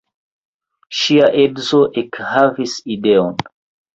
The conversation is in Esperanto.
Ŝia edzo ekhavis ideon.